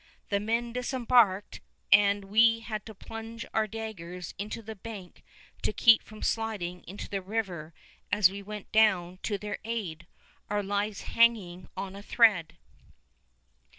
The men disembarked, and we had to plunge our daggers into the bank to keep from sliding into the river as we went down to their aid, our lives hanging on a thread."